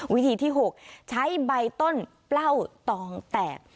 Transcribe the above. วิธีที่๖ใช้ใบต้นเปล้าตองแตก